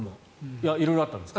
色々あったんですか？